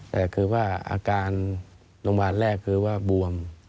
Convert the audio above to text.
แต่คือว่าอาการโรงพยาบาลแรกคือว่าบวม